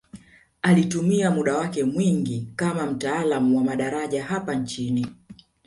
Alitumia muda wake mwingi kama mtaalamu wa madaraja hapa nchini